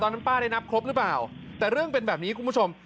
ตอนนั้นป้าได้นับครบแต่เรื่องเป็นแบบนี้คุณผู้ชม